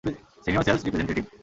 Senior sales representative.